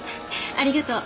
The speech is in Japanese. ありがとう。